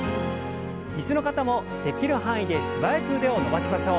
椅子の方もできる範囲で素早く腕を伸ばしましょう。